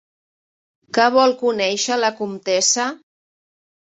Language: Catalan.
Què vol conèixer la Comtessa?